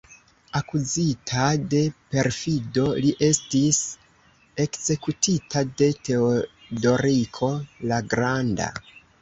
Akuzita de perfido, li estis ekzekutita de Teodoriko la Granda.